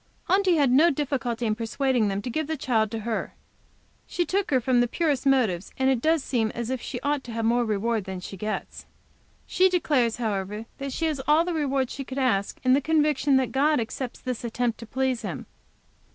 Aunty had no difficulty persuading them to give the child to her. She took from the purest motives, and it does seem as if she ought to have more reward than she gets. She declares, however, that she has all the reward she could ask in the conviction that God accepts this attempt to please Him.